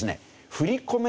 振り込め